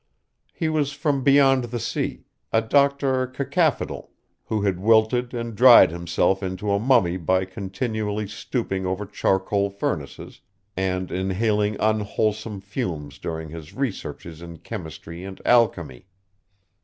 He was from beyond the sea, a Doctor Cacaphodel, who had wilted and dried himself into a mummy by continually stooping over charcoal furnaces, and inhaling unwholesome fumes during his researches in chemistry and alchemy.